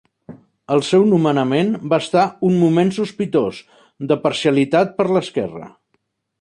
El seu nomenament va estar un moment sospitós de parcialitat per l'esquerra.